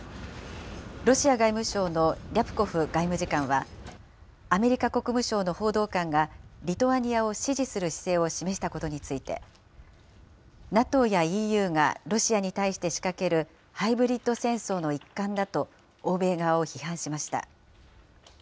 ロシア外務省のリャプコフ外務次官は、アメリカ国務省の報道官がリトアニアを支持する姿勢を示したことについて、ＮＡＴＯやＥＵがロシアに対して仕掛けるハイブリッド戦争の一環だと、欧米側を批判しました。